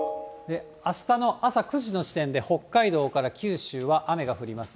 あしたの朝９時の時点で、北海道から九州は雨が降ります。